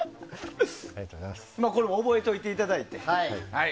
まあ、これも覚えておいていただいて。